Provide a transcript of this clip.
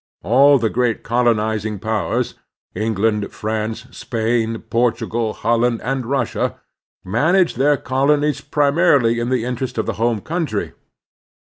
All the great colonizing powers, England, France, Spain, Portugal, Hol land, and Russia, managed their colonies pri marily in the interest of the home country.